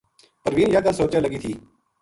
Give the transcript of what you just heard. پروین یاہ گل سوچے لگی تھی